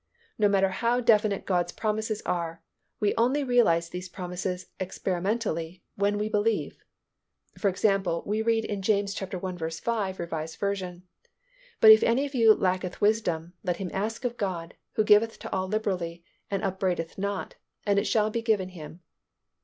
No matter how definite God's promises are, we only realize these promises experimentally when we believe. For example we read in James i. 5, R. V., "But if any of you lacketh wisdom, let him ask of God, who giveth to all liberally and upbraideth not; and it shall be given him."